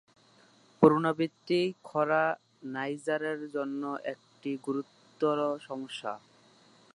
পুনরাবৃত্তি খরা নাইজারের জন্য একটি গুরুতর সমস্যা।